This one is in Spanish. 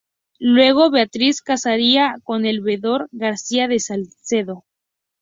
Luego Beatriz casaría con el Veedor Garcia de Salcedo.